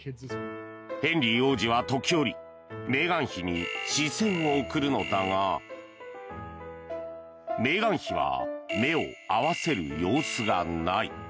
ヘンリー王子は時折メーガン妃に視線を送るのだがメーガン妃は目を合わせる様子がない。